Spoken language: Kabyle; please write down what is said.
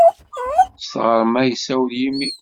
S tɣerma yessawel yimi.